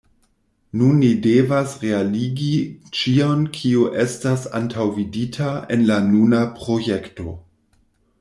Nun ni devas realigi ĉion kio estas antaŭvidita en la nuna projekto.